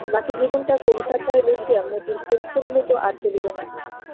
বাকি জীবনটা কলিকাতায় বসিয়া মতির খোঁজ করিলে তো তার চলিবে না।